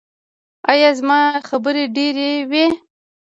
ایا زما خبرې ډیرې وې؟